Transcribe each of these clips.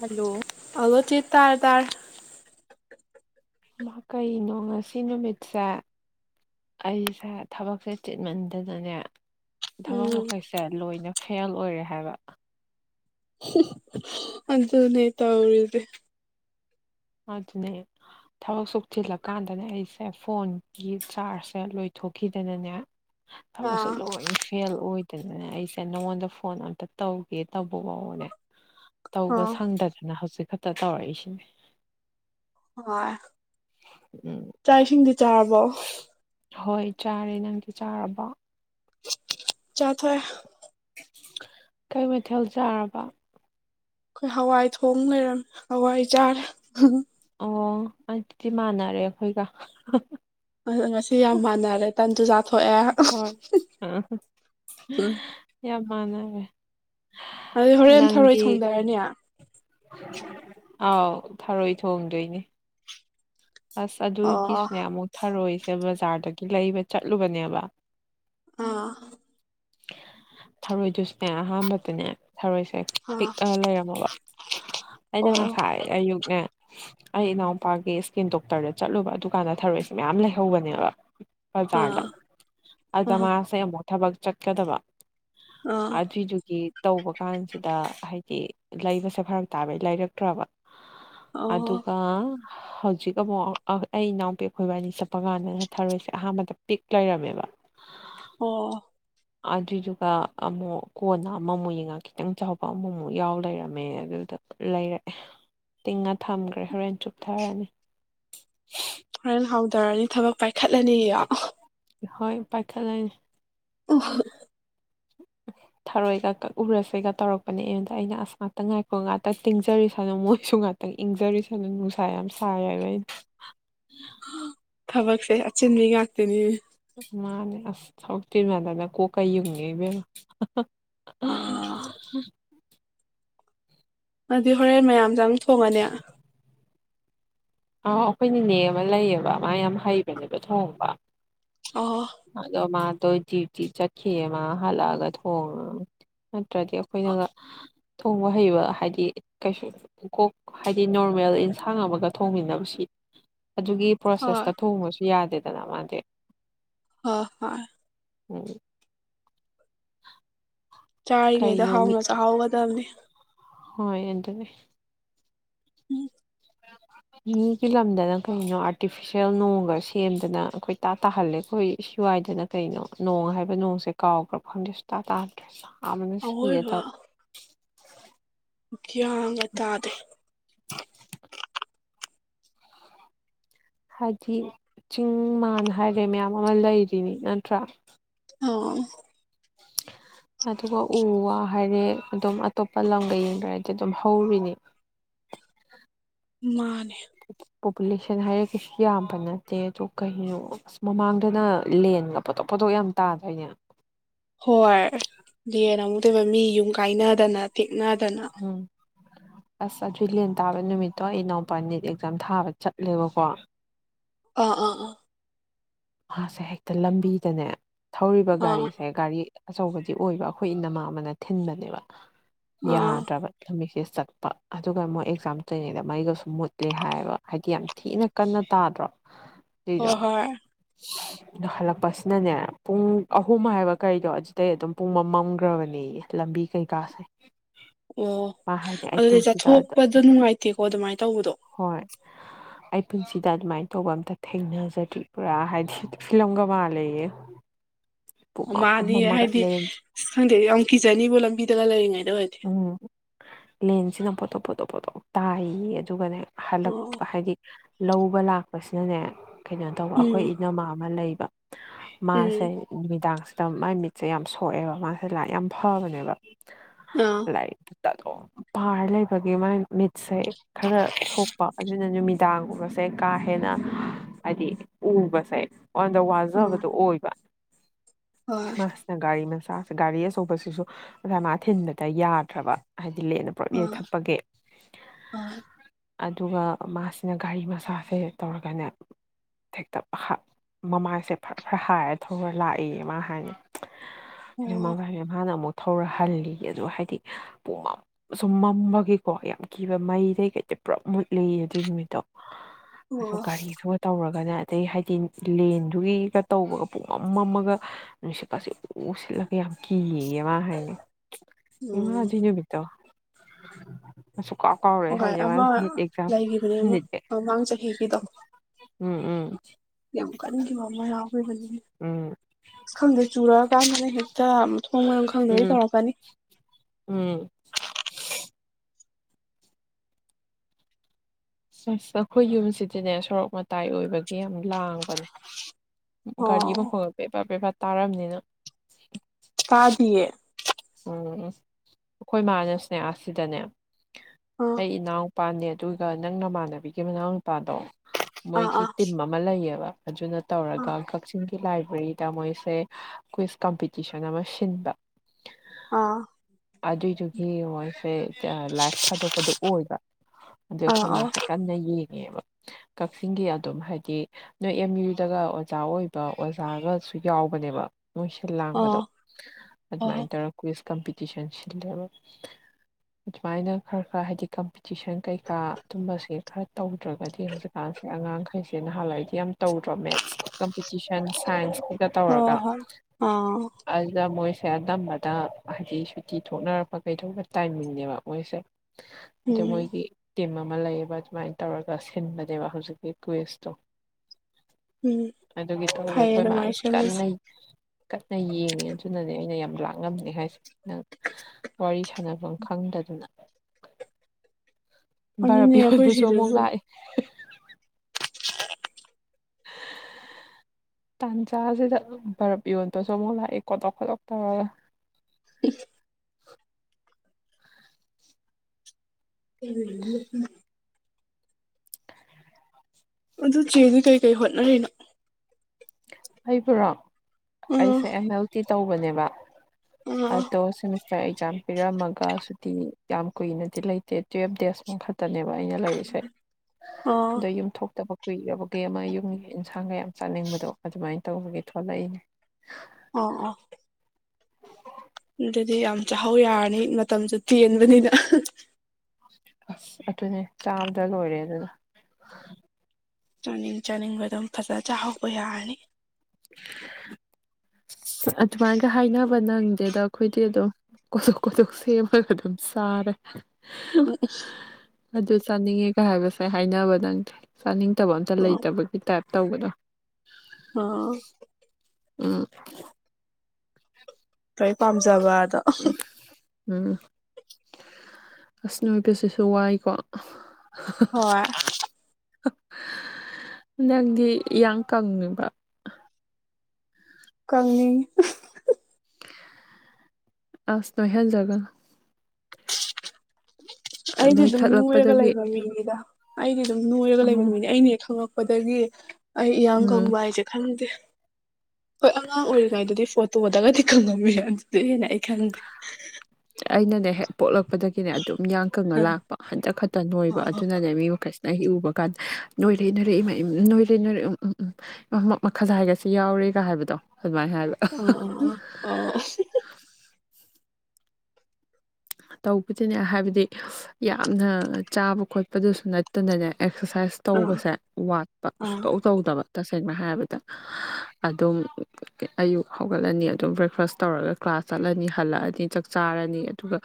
hello ꯍꯂꯣꯆꯠ ꯇꯥꯔ ꯇꯥꯔ ꯃꯥ ꯀꯩꯅꯣ ꯉꯁꯤ ꯅꯨꯃꯤꯠꯁꯦ ꯑꯩꯁꯦ ꯊꯕꯛꯁꯦ ꯆꯤꯠꯃꯟꯗꯅꯅꯦ ꯊꯕꯛ ꯎꯝ ꯃꯈꯩꯁꯦ ꯂꯣꯏꯅ ꯐꯦꯜ ꯑꯣꯏꯔꯦ ꯍꯥꯏꯕ ꯑꯗ ꯅ ꯇ ꯍꯧꯔꯦ ꯑꯗꯨꯅꯦ ꯊꯕꯛ ꯁꯣꯛ ꯊꯤꯜꯂꯀꯥꯟꯗꯅꯦ ꯑꯩꯁꯦ ꯐꯣꯟꯒꯤ ꯆꯥꯔꯖꯁꯦ ꯂꯣꯏꯊꯣꯛ ꯊꯣꯛꯈꯤꯗꯅꯅꯦ ꯊꯕꯛꯁꯦ ꯑꯥ ꯂꯣꯏ ꯐꯦꯜ ꯑꯣꯏ ꯑꯗꯨꯅꯦ ꯑꯩꯁꯦ ꯅꯪꯉꯣꯟꯗ ꯐꯣꯟ ꯑꯝꯇ ꯇꯧꯒꯦ ꯇꯧꯕ ꯐꯥꯎꯕꯅꯦ ꯇꯧꯕ ꯑꯣ ꯁꯪꯗꯗꯅ ꯍꯧꯖꯤꯛ ꯈꯛꯇ ꯇꯧꯔꯛꯏꯁꯤꯅꯦ ꯍꯣꯏ ꯎꯝ ꯆꯥꯛ ꯏꯁꯤꯡꯗꯤ ꯆꯥꯔꯕꯣ ꯍꯣꯏ ꯆꯥꯔꯦ ꯅꯪꯒꯤ ꯆꯥꯔꯕ ꯆꯥꯊꯦ ꯀꯩ ꯃꯩꯊꯦꯜ ꯆꯥꯔꯕ ꯑꯩꯈꯣꯏ ꯍꯋꯥꯏ ꯊꯣꯡ ꯂꯩꯔꯝꯃꯦ ꯍꯋꯥꯏ ꯆꯥꯔꯦ ꯑꯣ ꯑꯗꯨꯗꯤ ꯃꯥꯟꯅꯔꯦ ꯑꯩꯈꯣꯏꯒ ꯑ ꯉꯁꯤ ꯌꯥꯝ ꯃꯥꯟꯅꯔꯦ ꯇꯟꯗꯨꯨꯖꯥ ꯍꯣꯏ ꯎꯝ ꯌꯥꯝ ꯃꯥꯟꯅꯔꯦ ꯑꯗꯨ ꯍꯣꯔꯦꯟ ꯅꯪꯗꯤ ꯊꯔꯣꯏ ꯊꯣꯡꯗꯔꯅꯤ ꯑꯥꯎ ꯊꯔꯣꯏ ꯊꯣꯡꯗꯣꯏꯅꯦ ꯑꯁ ꯑꯣ ꯑꯗꯨꯒꯤꯁꯨꯅꯦ ꯑꯃꯨꯛ ꯊꯔꯣꯏꯁꯦ ꯕꯖꯥꯔꯗꯒꯤ ꯂꯩꯕ ꯆꯠꯂꯨꯕꯅꯦꯕ ꯑꯥ ꯊꯔꯣꯏꯗ ꯑꯦ ꯑꯍꯥꯟꯕꯗꯅꯦ ꯊꯔꯣꯏꯁꯦ ꯑꯣ ꯄꯤꯛꯑꯒ ꯂꯩꯔꯝꯃꯕ ꯑꯩꯅ ꯑꯣ ꯉꯁꯥꯏ ꯑꯌꯨꯛꯅꯦ ꯑꯩ ꯏꯅꯥꯎꯄꯥꯒꯤ ꯏꯁꯀꯤꯟ ꯗꯣꯛꯇꯔꯗ ꯆꯠꯂꯨꯕ ꯑꯗꯨꯀꯥꯟꯗ ꯊꯔꯣꯏꯁꯦ ꯃꯌꯥꯝ ꯂꯩꯍꯧꯕꯅꯦꯕ ꯕꯖꯥꯔꯗ ꯑꯥ ꯑꯗ ꯑꯥ ꯃꯥꯁꯦ ꯑꯃꯨꯛ ꯊꯕꯛ ꯆꯠꯀꯗꯕ ꯑꯥ ꯑꯖꯤꯁꯨꯨꯒꯤ ꯇꯧꯕ ꯀꯥꯟꯁꯤꯗ ꯍꯥꯏꯗꯤ ꯂꯩꯕꯁꯦ ꯐꯔꯛ ꯇꯥꯕꯩ ꯂꯩꯔꯛꯇ꯭ꯔꯕ ꯑꯣ ꯑꯗꯨꯒ ꯍꯧꯖꯤꯛ ꯑꯃꯨꯛ ꯑꯩ ꯏꯅꯥꯎꯄꯤ ꯈꯣꯏꯕꯥꯏꯅꯤ ꯆꯠꯄ ꯀꯥꯟꯗꯅ ꯊꯔ‌ꯣꯏꯁꯤ ꯑꯍꯥꯟꯕꯗ ꯄꯤꯛ ꯂꯩꯔꯝꯃꯦꯕ ꯑꯣ ꯑꯗꯨꯏꯗꯨꯒ ꯑꯃꯨꯛ ꯀꯣꯟꯅ ꯑꯃꯃꯨꯛ ꯌꯦꯡꯉꯥꯛ ꯈꯤꯇꯪ ꯆꯥꯎꯕ ꯑꯃꯃꯨꯛ ꯌꯥꯎ ꯂꯩꯔꯝꯃꯦ ꯑꯗꯨ ꯂꯩꯔꯛꯑꯦ ꯇꯤꯡꯉ ꯊꯝꯈ꯭ꯔꯦ ꯍꯣꯔꯦꯟ ꯆꯨꯞꯊꯔꯅꯤ ꯍꯣꯔꯦꯟ ꯍꯥꯎꯊꯔꯅꯤ ꯊꯕꯛ ꯄꯥꯏꯈꯠꯂꯅꯤꯌ‌ꯣ ꯍꯣꯏ ꯄꯥꯏꯈꯠꯂꯅꯤ ꯑꯍ‌ꯣ [inaudible] ꯊꯔꯣꯏꯒ ꯀꯛꯎꯔꯁꯦꯒ ꯇꯧꯔꯛꯄꯅꯦ ꯑꯗꯨꯗ ꯑꯩꯅ ꯑꯁ ꯉꯥꯛꯇ ꯉꯥꯏꯈꯣ ꯉꯥꯛꯇ ꯇꯤꯡꯖꯔꯤꯁꯅꯨ ꯃꯣꯏꯁꯨ ꯉꯥꯛꯇꯪ ꯏꯪꯖꯔꯤꯁꯅ ꯅꯨꯡꯁꯥ ꯌꯥꯝ ꯁꯥꯏꯕ ꯑꯩ ꯊꯕꯛꯁꯦ ꯑꯆꯤꯟꯕꯤ ꯉꯥꯛꯇꯅꯤꯅꯦ ꯃꯥꯅꯦ ꯑꯁ ꯊꯕꯛꯇꯤ ꯌꯥꯝꯃꯟꯗꯅ ꯀꯣꯛ ꯀꯥ ꯌꯨꯡꯉ‌ꯦ ꯏꯕ‌ꯦꯝꯃꯥ ꯑꯥ ꯑ-ꯍ-ꯍ-ꯍ ꯑꯗꯨꯗꯤ ꯍꯣꯔꯦꯟ ꯃꯌꯥꯝꯗꯪ ꯊꯣꯡꯉꯅꯤ ꯑꯥ ꯑꯩꯈꯣꯏ ꯅꯤꯅꯦ ꯍ‌ꯣꯏ ꯂꯩꯌꯦꯕ ꯃꯥ ꯌꯥꯝ ꯍꯩꯕꯅꯦꯕ ꯊꯣꯡꯕ ꯑꯣ ꯑꯗꯣ ꯃꯥ ꯑ ꯗ꯭ꯌꯨꯇꯤ ꯆꯠꯈꯤꯌ‌ꯦ ꯃꯥ ꯍꯜꯂꯛꯑꯒ ꯊꯣꯡꯉꯒ ꯅꯠꯇ꯭ꯔꯗꯤ ꯍꯣꯏ ꯑꯩꯈꯣꯏꯅꯒ ꯊꯣꯡꯕ ꯍꯩꯕ ꯍꯥꯏꯗꯤ ꯀꯩꯁꯨ ꯀꯣꯛ ꯍꯥꯏꯗꯤ ꯅꯣꯔꯃꯦꯜ ꯏꯟꯁꯥꯡ ꯑꯃꯒ ꯊꯣꯡꯃꯤꯟꯅꯕꯁꯤ ꯑꯗꯨꯒꯤ ꯄ꯭ꯔꯣꯁꯦꯁꯇ ꯊꯣꯡꯕꯁꯨ ꯌꯥꯗꯦꯗꯅ ꯃꯥꯗꯤ ꯑ ꯍꯣꯏ ꯎꯝ ꯆꯥꯔꯤꯉꯩꯗ ꯀꯩꯅꯣ ꯃꯤ ꯍꯥꯎꯅ ꯆꯥꯍꯥꯎꯒꯗꯝꯅꯤ ꯍꯣꯏ ꯑꯗꯨꯅꯦ ꯎꯝ [unintelligible] ꯃꯤꯒꯤ ꯂꯝꯗꯅ ꯀꯩꯅꯣ ꯑꯥꯔꯇꯤꯐꯤꯁꯦꯜ ꯅꯣꯡꯒ ꯁꯦꯝꯗꯅ ꯀ‌ꯣꯏꯇꯥ ꯇꯥꯍꯜꯂꯦ ꯑꯩꯈꯣꯏ ꯁꯤ ꯍꯥꯏꯗꯅ ꯀꯩꯅꯣ ꯅꯣꯡ ꯍꯥꯏꯕ ꯅꯣꯡꯁꯦ ꯀꯥꯎꯈ꯭ꯔꯥ ꯈꯪꯗꯦ ꯁꯨꯡꯇꯥ ꯇꯥꯗ꯭ꯔꯦ ꯁꯥꯕꯅ ꯁꯤꯒ‌ꯦ ꯑꯋꯣꯏꯕ ꯇꯧꯏ ꯒ꯭ꯌꯥꯟ ꯒ ꯇꯥꯗꯦ ꯍꯥꯏꯗꯤ ꯆꯤꯡ ꯃꯥꯟ ꯍꯥꯏꯔꯦ ꯃꯌꯥꯝ ꯑꯃ ꯂꯩꯔꯤꯅꯤ ꯅꯠꯇ꯭ꯔꯥ ꯑꯧ ꯑꯧ [inaudible] ꯑꯗꯨꯒ ꯎ ꯋꯥ ꯍꯥꯏꯔꯦ ꯑꯗꯨꯝ ꯑꯇꯣꯞꯄ ꯂꯝꯒ ꯌꯦꯡꯗꯔꯗꯤ ꯑꯗꯨꯝ ꯍꯧꯔꯤꯅꯦ ꯑ [inaudible] ꯃꯥ [inaudible] ꯄꯣꯄꯨꯂꯦꯁꯟ ꯍꯥꯏꯔ‌ꯦ ꯀꯩꯁꯨ ꯌꯥꯝꯕ ꯅꯠꯇꯦ ꯑꯗꯨ ꯀꯩꯅꯣ ꯑꯁ ꯃꯃꯥꯡꯗꯅ ꯂꯦꯟꯒ ꯄꯣꯗ‌ꯣꯞ ꯄ‌ꯣꯗ‌ꯣꯞ ꯄꯣꯗꯣꯛ ꯌꯥꯝ ꯇꯥꯗꯥꯏꯅꯦ ꯍꯣꯏ ꯂ‌ꯦꯟ ꯑꯃꯨꯛ ꯇꯣꯏꯕ ꯃꯤ ꯌꯨꯝ ꯀꯥꯏꯅꯗꯅ ꯇ‌ꯦꯛꯅꯗꯅ ꯎꯝ ꯑꯁ ꯑꯗꯨꯏ ꯂꯦꯟ ꯇꯥꯕ ꯅꯨꯃꯤꯠꯇꯣ ꯑꯩ ꯏꯅꯥꯎꯄꯥ ꯅꯤꯠ ꯑꯦꯛꯖꯥꯝ ꯊꯥꯕ ꯆꯠꯂꯦꯕꯀꯣ ꯑꯥ ꯑꯥ ꯑꯥ ꯃꯥꯁꯦ ꯍꯦꯛꯇ ꯂꯝꯕꯤꯗꯅꯦ ꯊꯧꯔꯤꯕ ꯑꯥ ꯒꯥꯔꯤꯁꯦ ꯒꯥꯔꯤ ꯑꯆꯧꯕꯗꯤ ꯑꯣꯏꯕ ꯑꯩꯈꯣꯏ ꯏꯅꯃꯥ ꯑꯃꯅ ꯊꯤꯟꯕꯅꯦꯕ ꯑꯥ ꯌꯥꯗ꯭ꯔꯕ ꯂꯝꯕꯤꯁꯦ ꯆꯠꯄ ꯑꯗꯨꯒ ꯃꯣꯏ ꯑꯦꯛꯖꯥꯝ ꯇꯧꯔꯤꯉꯩꯗ ꯃꯩꯒꯁꯨ ꯃꯨꯠꯂꯦ ꯍꯥꯏꯌꯦꯕ ꯍꯥꯏꯗꯤ ꯌꯥꯝ ꯊꯤꯅ ꯀꯟꯅ ꯇꯥꯗ꯭ꯔꯣ ꯑ ꯍ‌ꯣ ꯍꯣꯏ [inaudible] ꯍꯜꯂꯛꯄꯁꯤꯅꯅꯦ ꯄꯨꯡ ꯑꯍꯨꯝ ꯍꯥꯏꯕ ꯀꯔꯤꯗꯣ ꯑꯗꯨꯗꯩ ꯑꯗꯨꯝ ꯄꯨꯡꯃꯝ ꯃꯝꯈ꯭ꯔꯕꯅꯤ ꯀꯩꯀꯥꯥꯁꯦ [inaudible] ꯑꯣ ꯑꯗꯨꯗꯤ ꯆꯠꯊꯣꯛꯄꯗ ꯅꯨꯡꯉꯥꯏꯇꯦꯀꯣ ꯑꯗꯨꯃꯥꯏꯅ ꯇꯧꯕꯗꯣ ꯍꯣꯏ ꯑꯩ ꯄꯨꯟꯁꯤꯗ ꯑꯗꯨꯃꯥꯏꯅ ꯇꯧꯕ ꯑꯝꯇ ꯊꯦꯡꯅꯖꯗ꯭ꯔꯤ ꯄꯨꯔꯥ ꯍꯥꯏꯗꯤ ꯐꯤꯂꯝꯒ ꯃꯥꯜꯂꯦꯌꯦ ꯄꯨꯡꯃꯝ ꯃꯥꯅꯤ ꯃꯝꯃꯒ ꯍꯥꯏꯗꯤ ꯂꯦꯟ ꯈꯪꯗꯦ ꯌꯥꯝ ꯀꯤꯖꯅꯤꯕꯣ ꯂꯝꯕꯤꯗꯒ ꯂꯩꯔꯤꯉꯩ ꯎꯝ ꯂꯦꯟꯁꯤꯅ ꯄꯣꯠꯇꯣ ꯄꯣꯇꯣ ꯄꯣꯠꯇꯣꯛ ꯇꯥꯏꯌꯦ ꯑꯗꯨꯒꯅꯦ ꯑꯣ ꯍꯜꯂꯛꯄ ꯍꯥꯏꯗꯤ ꯂꯧꯕ ꯂꯥꯛꯄꯁꯤꯅꯅꯦ ꯀꯩꯅꯣ ꯇꯧꯕ ꯑꯩꯈꯣꯏ ꯎꯝ ꯏꯅꯝꯃꯥ ꯑꯃ ꯂꯩꯕ ꯃꯥ [inaudible] ꯎꯝ ꯁꯦ ꯅꯨꯃꯤ ꯇꯥꯛꯁ ꯃꯥꯏ ꯃꯤꯠꯁꯦ ꯌꯥꯝ ꯁꯣꯛꯑꯦꯕ ꯃꯥꯁꯦ ꯂꯥꯏꯔꯤꯛ ꯌꯥꯝ ꯐꯕꯅꯦꯕ ꯑꯥ ꯂꯥꯏ ꯑꯗꯨꯝ ꯄꯥꯔ ꯂꯩꯕꯒꯤ ꯃꯥꯥꯏ ꯃꯤꯠꯁꯦ ꯈꯔ ꯁꯣꯛꯄ ꯑꯗꯨ ꯑꯩꯅ ꯅꯨꯃꯤꯗꯥꯡꯒꯨꯝꯕꯁꯦ ꯀꯥ ꯍꯦꯟꯅ ꯍꯥꯏꯗꯤ ꯎꯕꯁꯦ ꯋꯥꯗ ꯋꯥꯖꯕꯗꯣ ꯑꯣꯏꯕ ꯑꯥ ꯃꯁꯤꯅ ꯒꯥꯔꯤ ꯃꯆꯥ ꯒꯥꯔꯤ ꯑꯆꯧꯕꯁꯤꯁꯨ ꯊꯤꯟꯕꯗ ꯌꯥꯗ꯭ꯔꯕ ꯍꯥꯏꯗꯤ ꯂꯦꯅ ꯄꯨꯂꯞ ꯌꯩꯊꯛꯄꯒꯤ ꯍꯣꯏ ꯑꯗꯨꯒ ꯃꯥꯁꯤꯅ ꯒꯥꯔꯤ ꯃꯁꯥꯁꯦ ꯇꯧꯔꯒꯅꯦ ꯍꯦꯛꯇ ꯃꯃꯥꯏꯁꯦ ꯐꯔ ꯈꯔ ꯍꯥꯏꯔ ꯊꯧꯔ ꯂꯥꯛꯏ ꯃꯥ ꯍꯥꯏꯅꯤ ꯑꯗꯨ ꯍꯣꯏ ꯃ ꯃꯥꯅ ꯑꯃꯨꯛ ꯊꯧꯔ ꯍꯜꯂꯤ ꯑꯗꯨ ꯍꯥꯏꯗꯤ ꯄꯨꯡꯃꯝ ꯁꯨꯝ ꯃꯝꯕꯒꯤꯀꯣ ꯌꯥꯝ ꯀꯤꯕ ꯃꯩꯗꯩ ꯀꯩꯩꯗꯩ ꯄꯨꯂꯞ ꯃꯨꯠꯂꯤꯌꯦ ꯑꯗꯨꯏ ꯅꯨꯃꯤꯠꯇꯣ ꯑ ꯍꯣꯏ ꯑꯣ ꯑꯣ ꯒꯥꯔꯤꯗꯨꯒ ꯇꯧꯔꯒꯅꯦ ꯑꯗꯩ ꯍꯥꯏꯗꯤ ꯂꯦꯟꯗꯨꯒꯤꯒ ꯇꯧꯕꯒ ꯄꯨꯡꯃꯝ ꯃꯝꯃꯥꯒ ꯅꯨꯡꯁꯤꯠꯀꯁꯤ ꯎꯔꯨ ꯎꯔꯨ ꯁꯤꯠꯂꯒ ꯌꯥꯝ ꯀꯤꯌꯦ ꯃꯥ ꯍꯥꯏꯅꯦ ꯏꯃꯥꯥ ꯎꯝ ꯑꯗꯨꯢ ꯅꯨꯃꯤꯠꯇꯣ ꯀ ꯀꯧꯔꯦ ꯍꯥꯏ ꯍꯣꯏ ꯃꯥ ꯑꯃ ꯑꯦꯖ ꯂꯩꯈꯤꯕꯅꯦ ꯑꯃ ꯅꯅꯤ ꯃꯃꯥꯡ ꯆꯍꯤꯒꯤꯗꯣ [inaudible] ꯎꯝ ꯎꯝ ꯌꯥꯝ ꯀꯟꯈꯤꯕꯥ ꯑꯃꯥ ꯌꯥꯎꯈꯤꯕꯅꯦ ꯎꯝ ꯈꯪꯗꯦ ꯆꯨꯔꯛꯑꯀꯥꯟꯗꯅ ꯍꯦꯛꯇ ꯃꯊꯣꯡ ꯃꯔꯝ ꯈꯪꯗꯥꯉꯩ ꯎꯝ ꯇꯧꯔꯛꯀꯅꯤ ꯎꯝ ꯑꯁ ꯑꯩꯈꯣꯏ ꯌꯨꯝꯁꯤꯗꯤꯅꯦ ꯁꯣꯔꯣꯛ ꯃꯇꯥꯏ ꯑꯣꯏꯕꯒꯤ ꯌꯥꯝ ꯂꯥꯡꯕꯅꯦ ꯒꯥꯔꯤ ꯑꯣ ꯃꯈꯣꯜ ꯕꯦꯕꯥ ꯕꯦꯕꯥ ꯇꯥꯔꯝꯅꯤ ꯅꯪ ꯇꯥꯗꯌꯦ ꯎꯝ ꯎ ꯑꯩꯈꯣꯏ ꯃꯥꯥꯅꯅꯦ ꯑꯁꯤꯗꯅꯦ ꯑꯥ ꯑꯩ ꯏꯅꯥꯎ ꯅꯨꯄꯥꯥꯟꯅꯦ ꯑꯗꯨꯒ ꯅꯪ ꯅꯃꯥꯟꯅꯕꯤꯒꯤ ꯃꯅꯥꯎ ꯅꯨꯨꯄꯗꯣ ꯃꯣꯏꯒꯤ ꯑꯥ ꯇꯤꯝ ꯑꯃ ꯂꯩꯌꯦꯕ ꯑꯗꯨꯅ ꯑꯥ ꯇꯧꯔꯒ ꯀꯛꯆꯤꯡ ꯂꯥꯏꯕ꯭ꯔꯦꯔꯤꯗ ꯃꯣꯏꯁꯦ ꯀꯨꯏꯁ ꯀꯝꯄꯤꯇꯤꯁꯟ ꯑꯃ ꯁꯤꯟꯕ ꯑꯥ ꯑꯗꯨꯏꯗꯨꯒꯤ ꯃꯣꯏꯁꯦ ꯂꯥꯏꯐ ꯊꯥꯗꯣꯛꯄꯗꯣ ꯑꯣꯏꯕ ꯑꯗꯨ ꯑꯩꯈꯣꯏ ꯑꯥ ꯃꯥꯁꯦ ꯀꯟꯅ ꯌꯦꯡꯉꯦꯕ ꯀꯛꯆꯤꯡꯒꯤ ꯑꯗꯨꯝ ꯍꯥꯏꯗꯤ ꯅꯣꯏ ꯑꯦꯝ ꯌꯨꯗꯒ ꯑꯣꯖꯥ ꯑꯣꯏꯕ ꯑꯣꯖꯥꯒꯁꯨ ꯌꯥꯎꯕꯅꯦꯕ ꯃꯣꯏꯁꯤ ꯑꯥ ꯂꯥꯡꯕꯗꯣ ꯑꯥ ꯍꯣꯏ ꯑꯗꯨꯃꯥꯏꯅ ꯇꯧꯔꯒ ꯀꯨꯏꯁ ꯀꯝꯄꯤꯇꯤꯁꯟ ꯁꯤꯜꯂꯦꯕ ꯑꯗꯨꯃꯥꯏꯅ ꯈꯔ ꯈꯔ ꯍꯥꯏꯗꯤ ꯀꯝꯄꯤꯇꯤꯁꯟ ꯀꯩꯀꯥ ꯑꯗꯨꯝꯕꯁꯦ ꯈꯔ ꯇꯧꯗ꯭ꯔꯒꯗꯤ ꯍꯧꯖꯤꯛꯀꯥꯟ ꯑꯉꯥꯡꯈꯩꯁꯦ ꯅꯍꯥꯟꯋꯥꯏꯗꯤ ꯌꯥꯝ ꯇꯧꯗ꯭ꯔꯣ ꯃꯦꯠꯁꯀꯤ ꯀꯝꯄꯤꯇꯤꯁꯟ ꯁꯥꯏꯟꯁꯀꯤꯒ ꯇꯧꯔꯒ ꯍꯣꯏ ꯍꯣꯏ ꯑꯥ ꯑꯜꯗ ꯃꯣꯍꯤ ꯁꯦ ꯅꯝꯕꯗ ꯍꯥꯏꯗꯤ ꯁꯨꯇꯤ ꯊꯣꯛꯅꯔꯛꯄ ꯀꯩꯗꯧꯕ ꯇꯥꯏꯃꯤꯡꯅꯦꯕ ꯃꯣꯏꯁꯦ ꯑꯗ ꯎꯝ ꯃꯣꯏꯒꯤ ꯇꯤꯝ ꯑꯃ ꯂꯩꯌꯦꯕ ꯑꯗꯨꯃꯥꯏꯅ ꯇꯧꯔꯒ ꯁꯤꯟꯕꯅꯦꯕ ꯍꯧꯖꯤꯛꯀꯤ ꯀꯨꯏꯁꯇꯣ ꯎꯝ ꯑꯗꯨꯒꯤ ꯇꯧꯗ ꯐꯩꯌꯦ ꯑꯩꯈꯣꯏ ꯃꯥ ꯑꯗꯨꯃꯥꯏ ꯁꯤꯜꯂꯤꯁꯦ ꯀꯟꯅ ꯀꯟꯅ ꯌꯦꯡꯉꯦ ꯑꯗꯨꯅꯅꯦ ꯑꯩꯅ ꯌꯥꯝ ꯂꯥꯛꯉꯥꯝꯅꯦ ꯍꯥꯏꯁꯦ ꯅꯪ ꯋꯥꯔꯤ ꯁꯥꯟꯅꯐꯝ ꯈꯪꯗꯗꯅ ꯕꯥꯂꯥꯞ ꯑꯗꯨꯅꯦ ꯑꯩꯈꯣꯏ ꯑꯣꯟꯕꯁꯨ ꯑꯃꯨꯛ ꯁꯤꯗꯁꯨ ꯂꯥꯛꯑꯦ [unintelligible] ꯇꯥꯟꯖꯥꯁꯤꯗ ꯕꯔꯞ ꯌꯣꯟꯕꯁꯨ ꯑꯃꯨꯛ ꯂꯥꯛꯑꯦ ꯈꯣꯠꯇꯣꯛ ꯈꯣꯠꯇꯣꯛ ꯇꯧꯔꯒ ꯎ ꯎ ꯑꯗꯨ ꯇ꯭ꯔꯦꯟꯗꯤ ꯀꯩꯀꯩ ꯍꯣꯠꯅꯔꯤꯅꯣ ꯍꯕꯨ꯭ꯔꯣ ꯎꯝ ꯑꯩꯁꯦ ꯑꯦꯝ ꯑꯦꯜ ꯇꯤ ꯇꯧꯕꯅꯦꯕ ꯑ ꯎꯝ ꯇꯣ ꯁꯤ ꯑꯦꯛꯖꯥꯝ ꯄꯤꯔꯝꯃꯒ ꯁꯨꯗꯤ ꯌꯥꯝ ꯀꯨꯏꯅꯗꯤ ꯂꯩꯇꯦ ꯇꯨꯋꯜꯐ ꯗꯦꯖ ꯃꯈ ꯇꯅꯦꯕ ꯑꯩꯅ ꯂꯩꯔꯤꯁꯦ ꯑꯣ ꯑꯗꯣ ꯌꯨꯝꯊꯇꯕ ꯀꯨꯏꯔꯕꯒ ꯑꯃ ꯌꯨꯝ ꯏꯟꯁꯥꯡꯒ ꯌꯥꯝ ꯆꯥꯅꯤꯡꯕꯗꯣ ꯑꯗꯨꯃꯥꯏꯅ ꯇꯧꯕꯒꯤ ꯊꯣꯛꯂꯛꯏꯅꯦ ꯑ ꯑꯥ ꯑꯗꯨꯗꯤ ꯌꯥꯝ ꯆꯥꯛꯍꯥꯎ ꯌꯥꯔꯅꯤ ꯃꯇꯝꯁꯨ ꯇꯦꯟꯕꯅꯤꯅ ꯑꯁ ꯑꯗꯨꯅꯦ ꯆꯥꯕꯗ ꯂꯣꯏꯔꯦ ꯑꯗꯨꯅ ꯆꯥꯅꯤꯡ ꯆꯥꯅꯤꯡꯕ ꯑꯗꯨꯝ ꯐꯖ ꯆꯥꯍꯧꯕ ꯌꯥꯔꯅꯤ [unintelligible] ꯑꯗꯨꯃꯥꯏꯒ ꯍꯥꯏꯅꯕ ꯅꯪꯗꯦꯗ ꯑꯩꯈꯣꯏꯗꯤ ꯑꯗꯣ ꯀꯊꯣ ꯀꯊꯣꯛ ꯁꯦꯝꯃꯒ ꯑꯗꯨꯝ ꯁꯥꯔꯦ ꯎ ꯑꯗꯨ ꯆꯥꯅꯤꯡꯉꯦꯒ ꯍꯥꯏꯕꯁꯦ ꯍꯥꯏꯅꯕ ꯅꯪ ꯆꯥꯅꯤꯡꯗꯕ ꯑꯝꯇ ꯂꯩꯇꯕꯒꯤ ꯇꯥꯏꯞ ꯇꯧꯕꯗꯣ ꯑꯣ ꯎꯝ ꯐ ꯄꯥꯝꯖꯕ ꯑꯗꯣ ꯎꯝ ꯑꯁ ꯅꯨ ꯅꯨꯄꯤꯁꯤꯁꯨ ꯋꯥꯏꯀꯣ ꯍꯣꯏ ꯅꯪꯗꯤ ꯏꯌꯥꯡ ꯀꯪꯉꯕ ꯀꯪꯅꯤ ꯑꯁ ꯅꯍꯖꯒꯜ ꯑꯩꯗꯤ ꯑꯗꯨꯝ ꯂꯣꯏꯔꯒ ꯅꯣꯏꯈꯠꯂꯛꯄꯗꯒꯤ ꯂꯩꯕ ꯃꯤꯒꯤꯗ ꯑꯩꯗꯤ ꯑꯗꯨꯝ ꯅꯣꯏꯔꯒ ꯂꯩꯕ ꯎꯝ ꯃꯤꯅꯦ ꯑꯩꯅ ꯍꯦꯛ ꯈꯪꯉꯛꯄꯗꯒꯤ ꯑꯩ ꯏꯌꯥꯡ ꯎꯝ ꯈꯪꯕ ꯍꯥꯏꯁꯦ ꯈꯪꯗꯦ [unintelligible] ꯍꯣꯏ ꯑꯉꯥꯡ ꯑꯣꯏꯔꯤꯉꯩꯗꯨꯗꯤ ꯐꯣꯇꯣꯗꯒꯗꯤ ꯈꯪꯉꯝꯃꯦ ꯑꯗꯨꯗꯤ ꯍꯦꯟꯅ ꯑꯩ ꯈꯪꯗꯦ ꯑꯩꯅꯅꯦ ꯍꯦꯛ ꯄꯣꯛꯂꯛꯄꯗꯒꯤꯅꯦ ꯑꯗꯨꯝ ꯌꯥꯡ ꯀꯪꯉ ꯑ ꯂꯥꯛꯄ ꯍꯟꯇꯛ ꯈꯛꯇ ꯅꯣꯏꯕ ꯑꯣ ꯑꯗꯨꯅꯅꯦ ꯃꯤ ꯃꯈꯩꯁꯦ ꯑꯩ ꯎꯕ ꯀꯥꯟꯗ ꯅꯣꯏ ꯂꯩꯅꯔꯦ ꯅꯣꯏ ꯂꯩꯅꯔꯦ ꯃꯈꯜ ꯍꯥꯏꯒꯁꯤ ꯌꯥꯎꯔꯦ ꯀꯩ ꯀꯥ ꯍꯥꯏꯕꯗꯣ ꯑꯗꯨꯃꯥꯏꯅ ꯍꯥꯏꯕ ꯑ ꯇꯧꯕꯗꯤꯅꯦ ꯍꯥꯏꯕꯗꯤ ꯌꯥꯝꯅ ꯆꯥꯕ ꯈꯣꯠꯄꯗꯨꯁꯨ ꯅꯠꯇꯅꯅꯦ ꯑꯦꯛꯁꯔꯁꯥꯏꯁ ꯑ ꯑ ꯇꯧꯕꯁꯦ ꯋꯥꯠꯄ ꯑ ꯁꯨꯇꯧ ꯇꯧꯗꯕ ꯀꯒꯤꯅꯣ ꯍꯥꯏꯔꯕꯗ ꯑꯗꯨꯝ ꯑꯌꯨꯛ ꯍꯧꯒꯠꯂꯅꯤ ꯑꯗꯨꯝ ꯕ꯭ꯔꯦꯛꯐꯥꯁ ꯇꯧꯔꯒ ꯀ꯭ꯂꯥꯁ ꯆꯠꯂꯅꯤ ꯍꯜꯂꯛꯑꯅꯤ ꯆꯥꯛ ꯆꯥꯔꯅꯤ ꯑꯗꯨꯒ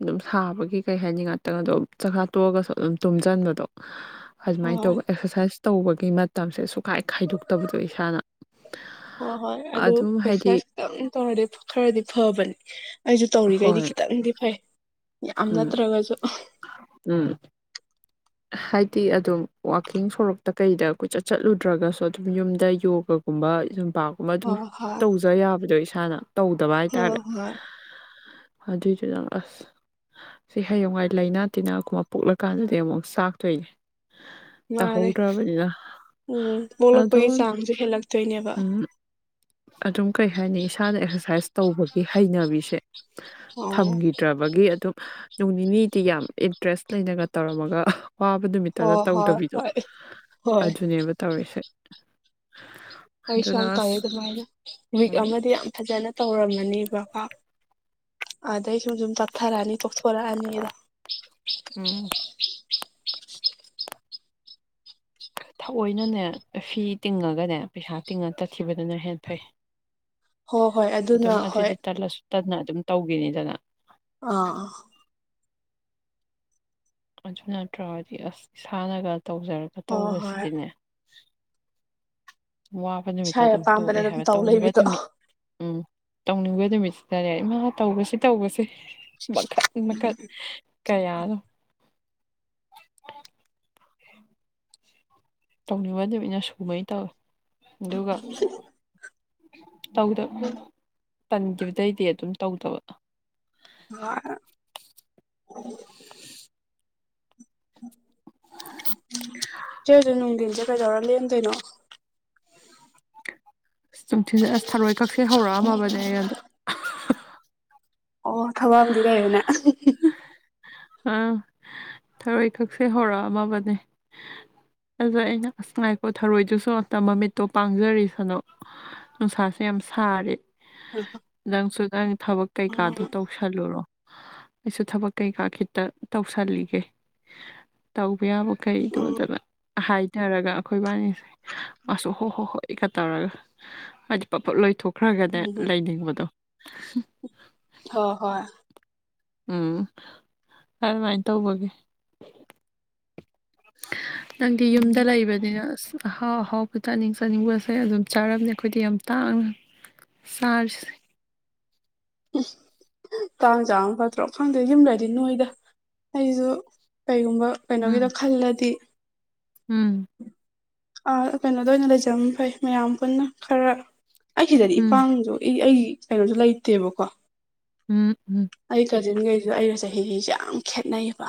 ꯑꯗꯨꯝ ꯁꯥꯕꯒꯤ ꯀꯩ ꯍꯥꯏꯅꯤ ꯉꯥꯛꯇꯪꯗꯣ ꯆꯈꯥ ꯇꯣꯛꯑꯒꯁꯨ ꯑꯗꯨꯝ ꯇꯨꯝꯁꯤꯟꯕꯗꯣ ꯑꯗꯨꯃꯥꯏꯅ ꯍꯣꯏ ꯇꯧꯕ ꯑꯦꯛꯁꯔꯁꯥꯏꯁ ꯇꯧꯕꯒꯤ ꯃꯇꯝꯁꯦ ꯁꯨꯈꯥꯏ ꯈꯥꯏꯗꯣꯛꯇꯕꯗꯣ ꯏꯁꯥꯅ ꯍꯣꯏ ꯍꯣꯏ ꯑꯗꯨ ꯑꯗꯨꯝ ꯄꯩꯁ ꯍꯥꯏꯗꯤ ꯈꯤꯇꯪ ꯇꯧꯔꯗꯤ ꯈꯔꯗꯤ ꯐꯕꯅꯦ ꯑꯩꯁꯨ ꯇꯧꯔꯤꯈꯩꯗꯤ ꯍꯣꯏ ꯈꯤꯇꯪꯗꯤ ꯐꯩ ꯌꯥꯝ ꯎꯝ ꯅꯠꯇ꯭ꯔꯒꯁꯨ ꯎꯝ ꯍꯥꯏꯗꯤ ꯑꯗꯨꯝ ꯋꯥꯋꯥꯛꯀꯤꯡ ꯁꯣꯔꯣꯛꯇ ꯀꯩꯗ ꯀꯨꯆꯠ ꯆꯠꯂꯨꯗ꯭ꯔꯒꯁꯨ ꯑꯗꯨꯝ ꯌꯨꯝꯗ ꯌꯣꯒꯒꯨꯝ ꯑꯕꯥꯏ ꯄꯀꯨꯝꯕ ꯑꯗꯨꯝ ꯍꯣꯏ ꯍꯣꯏ ꯇꯧꯖ ꯌꯥꯕꯗꯣ ꯏꯁꯥꯅ ꯇꯧꯗꯕ ꯍꯣꯏ ꯍꯥꯏꯇꯥꯔꯦ ꯍꯣꯏ ꯑꯗꯨꯏꯗꯨꯅꯪ ꯑꯁ ꯁꯤ ꯍꯌꯦꯡꯋꯥꯥꯏ ꯂꯥꯏꯅꯥ ꯇꯤꯟꯅꯥꯒꯨꯝꯕ ꯄꯣꯛꯂꯀꯥꯟꯗꯗꯤ ꯑꯃꯨꯛ ꯆꯥꯛꯊꯣꯛꯏ ꯃꯥꯅꯦꯦ ꯎꯝ ꯄꯣꯛꯂꯛꯄꯒꯤ ꯑꯗꯣ ꯆꯥꯡꯁꯦ ꯍꯦꯜꯂꯛꯇꯣꯏꯅꯦꯕ ꯎꯝ ꯑꯗꯨꯝ ꯀꯩ ꯍꯥꯏꯅꯤ ꯏꯁꯥꯅ ꯑꯦꯛꯁꯔꯁꯥꯏꯁ ꯇꯧꯕꯒꯤ ꯍꯩꯅꯕꯤꯁꯦ ꯑꯣ ꯊꯝꯈꯤꯗ꯭ꯔꯕꯒꯤ ꯑꯗꯨꯝ ꯅꯣꯡ ꯅꯤꯅꯤꯗꯤ ꯌꯥꯝ ꯏꯟꯇꯔꯦꯁ ꯂꯩꯅꯒ ꯇꯧꯔꯝꯃꯒ ꯑ ꯋꯥꯕ ꯅꯨꯃꯤꯠꯇꯅ ꯍꯣꯏ ꯍꯣꯏ ꯇꯧꯗꯕꯤꯗꯣ ꯍꯣꯏ ꯍꯣꯏ ꯑꯗꯨꯅꯦꯕ ꯇꯧꯔꯤꯁꯦ ꯑꯩꯁꯨ ꯌꯥꯝ ꯑꯗꯨꯅ ꯇꯧꯋꯤ ꯑꯁ ꯑꯗꯨꯃꯥꯏꯅ ꯋꯤꯛ ꯎꯝ ꯑꯃꯗꯤ ꯌꯥꯝ ꯐꯖꯅ ꯇꯧꯔꯝꯃꯤ ꯀꯅꯤꯕ ꯀ ꯑꯗꯒꯤ ꯇꯊꯔꯦꯅꯤ ꯇꯊꯔ ꯍꯥꯏꯅꯤꯗ ꯎꯝ ꯊꯑꯣꯏꯅꯅꯦ ꯐꯤ ꯇꯤꯡꯉꯒꯅꯦ ꯄꯩꯁꯥ ꯇꯤꯡꯉ ꯆꯠꯈꯤꯕꯗꯨꯅ ꯍꯦ ꯐꯩ ꯍꯣꯏ ꯍꯣꯏ ꯑꯗꯨꯅ ꯑꯗꯨꯝ ꯍꯣꯏ ꯑꯗꯨꯗꯤ ꯇꯜꯂꯁꯨ ꯇꯟꯅ ꯑꯗꯨꯝ ꯇꯧꯈꯤꯅꯤꯗꯅ ꯑꯥ ꯑꯗꯨ ꯅꯠꯇ꯭ꯔꯒꯗꯤ ꯑꯁ ꯏꯁꯥꯅꯒ ꯇꯧꯖꯔꯒ ꯍꯣꯏ ꯍꯣꯏ ꯇꯧꯕꯁꯤꯅꯦ ꯋꯥꯕ ꯅꯨꯃꯤꯠꯇ ꯏꯁꯥꯒꯤ ꯑꯗꯨꯝ ꯑꯄꯥꯝꯕꯗ ꯇꯣꯛꯑꯦ ꯑꯗꯨꯝ ꯍꯥꯏꯕ ꯇꯧ ꯇꯧꯅꯤꯡꯕ ꯂꯩꯕꯤꯗꯣ ꯅꯨꯃꯤꯠ ꯎꯝ ꯇꯧꯅꯤꯡꯕ ꯅꯨꯃꯤꯠꯁꯤꯗꯅꯦ ꯏꯃꯥ ꯇꯧꯕꯁꯤ ꯇꯧꯕꯁꯦ ꯃꯈꯟ ꯃꯈꯟ ꯀꯌꯥꯔ ꯇꯧꯅꯤꯡꯕꯗꯃꯤꯅ ꯁꯨꯃꯩ ꯇꯧꯋꯤ ꯑꯗꯨꯒ ꯇꯧꯗꯕ ꯇꯟꯈꯤꯕꯗꯩꯗꯤ ꯑꯗꯨꯝ ꯇꯧꯗꯕ ꯑ ꯆ ꯑꯗꯨ ꯅꯣꯡꯗ ꯆꯒꯖꯔ ꯂꯦꯟꯗꯅꯣ [unintelligible] ꯑꯁ ꯁꯨꯝ ꯊꯤꯟꯖ ꯑꯁ ꯊꯔꯣꯏ ꯀꯛꯁꯦ ꯍꯧꯔꯛꯑꯝꯃꯕꯅꯦ ꯑꯩ ꯑꯗ ꯑꯣ ꯊꯕꯛꯕꯨꯗꯤ ꯂꯩꯔꯦꯅꯦ ꯑꯥ ꯊꯔꯣꯏꯈꯛꯁꯦ ꯍꯧꯔꯛꯑꯝꯃꯕꯅꯦ ꯑꯗ ꯑꯩꯅ ꯑꯁ ꯉꯥꯏꯄꯣ ꯊꯔꯣꯏꯗꯨꯁꯨ ꯑꯇ ꯃꯃꯤꯠꯇꯣ ꯄꯥꯡꯖꯔꯤꯁꯅꯨ ꯅꯨꯡꯁꯥꯁꯦ ꯌꯥꯝ ꯁꯥꯔꯦ ꯅꯪꯁꯨ ꯅꯪ ꯊꯕꯛ ꯎꯝ ꯀꯩꯀꯥꯗꯨ ꯇꯧꯁꯜꯂꯨꯔꯣ ꯑꯩꯁꯨ ꯊꯕꯛ ꯀꯩꯀꯥ ꯈꯤꯇ ꯇꯧꯁꯜꯂꯤꯒꯦ ꯇꯧꯕ ꯌꯥꯕ ꯎꯝ ꯀꯩꯗꯝꯖꯕ ꯍꯥꯏꯊꯔꯒ ꯑꯩꯈꯣꯏ ꯏꯕꯥꯅꯤꯁꯦ ꯃꯥꯁꯨ ꯍꯣ ꯍꯣ ꯍꯣꯏ ꯏꯀ ꯇꯧꯔꯒ ꯍꯥꯏꯗꯤ ꯄ ꯄꯣꯠ ꯂꯣꯏꯊꯣꯛ ꯈꯔ ꯈꯔꯗꯤ ꯎꯝ ꯂꯩꯅꯤꯡꯕꯗꯣ ꯍꯣꯏ ꯍꯣꯏ ꯎꯝ ꯑꯗꯨꯃꯥꯏꯅ ꯇꯧꯕꯒꯦ ꯅꯪꯗꯤ ꯌꯨꯝꯗ ꯎꯝ ꯂꯩꯕꯅꯤꯅ ꯑꯁ ꯑꯍꯥꯎ ꯑꯍꯥꯎꯕ ꯆꯥꯅꯤꯡ ꯆꯥꯅꯤꯡꯕꯁꯦ ꯑꯗꯨꯝ ꯆꯥꯔꯝꯃꯦ ꯑꯩꯈꯣꯏꯗꯤ ꯌꯥꯝ ꯇꯥꯡꯅ ꯁꯥꯥꯖ ꯎ ꯇꯥꯡ ꯆꯥꯝꯃ ꯐꯠꯇ꯭ꯔꯣ ꯈꯪꯗꯦ ꯌꯨꯝꯗꯗꯤ ꯅꯣꯏꯗ ꯑꯩꯁꯨ ꯀꯩꯒꯨꯝꯕ ꯎꯝ ꯀꯩꯅꯣꯒꯤꯗꯣ ꯈꯜꯂꯗꯤ ꯎꯝ ꯑ ꯀꯩꯅꯣꯗ ꯑꯣꯏꯅ ꯂꯩꯖꯝ ꯐꯩ ꯃꯌꯥꯝ ꯄꯨꯟꯅ ꯈꯔ ꯑꯩ ꯁꯤꯗꯗꯤ ꯎꯝ ꯏꯄꯥꯥꯡꯁꯨ ꯑꯩ ꯑꯩ ꯀꯩꯅꯣꯁꯨ ꯂꯩꯇꯦꯕꯀꯣ ꯎꯝ ꯎꯝ ꯍꯧꯖꯤꯟꯈꯩꯁꯤꯗ ꯑꯩꯒ ꯆꯍꯤꯁꯤꯁꯦ ꯌꯥꯝ ꯈꯦꯠꯅꯩꯌꯦꯕ